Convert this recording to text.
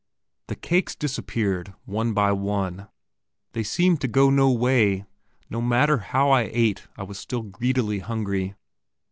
The cakes disappeared one by one; they seemed to go no way; no matter how I ate I was still greedily hungry.